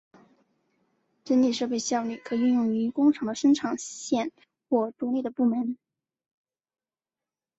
整体设备效率可应用于工厂的生产线或独立的部门。